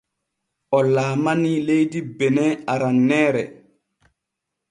O laalanii leydi bene aranneere.